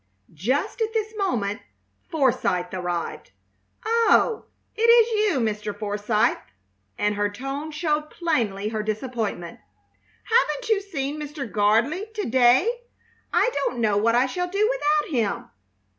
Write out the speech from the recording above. Just at this moment Forsythe arrived. "Oh, it is you, Mr. Forsythe!" And her tone showed plainly her disappointment. "Haven't you seen Mr. Gardley to day? I don't know what I shall do without him."